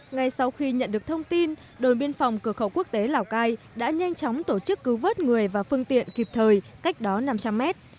ngay sau khi nhận được thông tin đồn biên phòng cửa khẩu quốc tế lào cai đã nhanh chóng tổ chức cứu vớt người và phương tiện kịp thời cách đó năm trăm linh mét